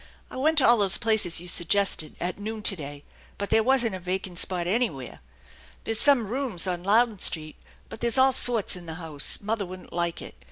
I went to all those places you suggested at noon to day, but there wasn't a vacant spot anywhere. There's some rooms on Louden Street, but there's all sorts in the house. Mother wouldn't like it.